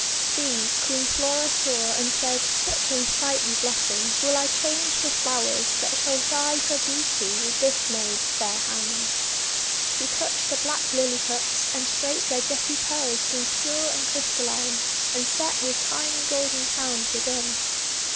These Queen Flora saw, and said, "Such un sightly blossoms will I change to flowers that shall vie for beauty with this maid's fair hands." She touched the black Lily cups, and straight THE CORNFLOWER YOUTH 113 their jetty petals grew pure and crystalline, and set with tiny golden crowns within.